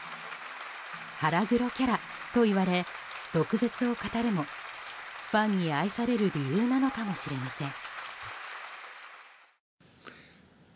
腹黒キャラといわれ毒舌を語るもファンに愛される理由なのかもしれません。